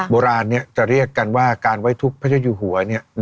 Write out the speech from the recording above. โบราณจะเรียกกันว่าการไว้ทุบพระเจ้าอยู่หัว